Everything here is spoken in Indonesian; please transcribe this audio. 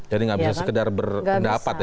jadi gak bisa sekedar berpendapat ya